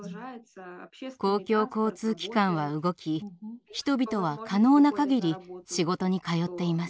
公共交通機関は動き人々は可能なかぎり仕事に通っています。